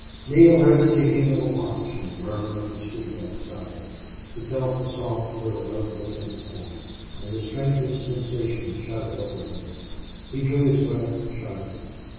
Neale heard the ticking of a watch and the murmur of the street outside. He felt the soft little note book in his hand. And the strangest sensation shuddered over him. He drew his breath sharply.